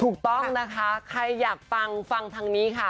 ถูกต้องนะคะใครอยากฟังฟังทางนี้ค่ะ